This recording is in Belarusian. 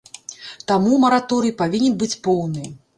Таму мараторый павінен быць поўны.